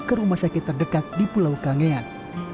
ke rumah sakit terdekat di pulau kangean